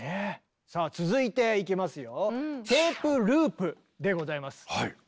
さあ続いていきますよ。